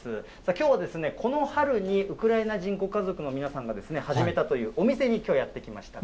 きょうは、この春にウクライナ人ご家族の皆さんが始めたというお店にきょう、やって来ました。